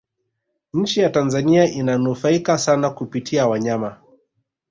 nchi ya tanzania inanufaika sana kupitia wanyama